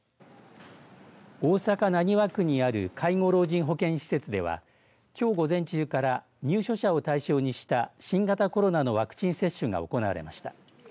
大阪浪速区にある介護老人保健施設ではきょう午前中から入所者を対象にした新型コロナのワクチン接種が行われました。